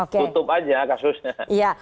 tutup aja kasusnya